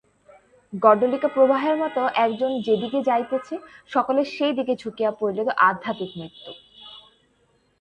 গড্ডলিকা-প্রবাহের মত একজন যেদিকে যাইতেছে, সকলে সেইদিকে ঝুঁকিয়া পড়িলে তো আধ্যাত্মিক মৃত্যু।